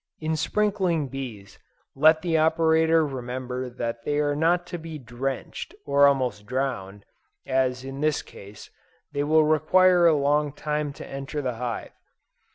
In sprinkling bees, let the operator remember that they are not to be drenched, or almost drowned, as in this case, they will require a long time to enter the hive.